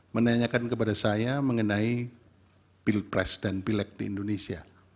menanyakan kepada saya mengenai pilpres dan pilek di indonesia